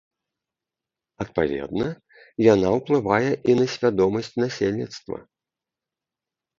Адпаведна, яна ўплывае і на свядомасць насельніцтва.